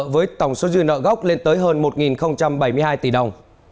với tổng số dư nợ gốc lên tới hơn một bảy mươi hai tỷ đồng